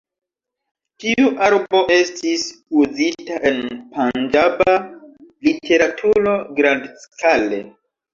Tiu arbo estis uzita en panĝaba literaturo grandskale.